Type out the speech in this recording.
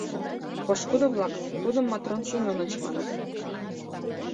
пошкудо-влак тудым Матрон Семеныч маныт